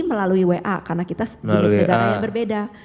melalui wa karena kita di beda negara